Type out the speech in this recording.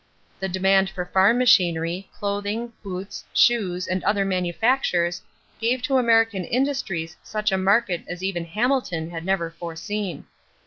The demand for farm machinery, clothing, boots, shoes, and other manufactures gave to American industries such a market as even Hamilton had never foreseen.